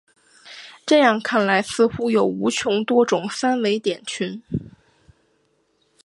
这样看来似乎有无穷多种三维点群。